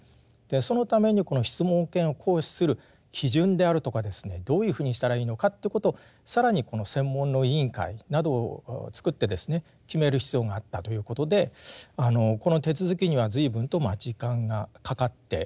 そのためにこの質問権を行使する基準であるとかですねどういうふうにしたらいいのかということを更にこの専門の委員会などを作って決める必要があったということでこの手続きには随分とまあ時間がかかっております。